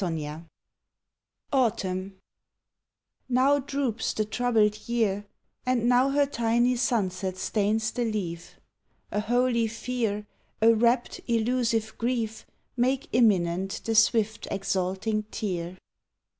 43 AUTUMN Now droops the troubled year And now her tiny sunset stains the leaf. A holy fear, A rapt, elusive grief, Make imminent the swift, exalting tear.